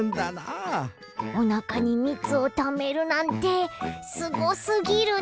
おなかにみつをためるなんてすごすぎるね！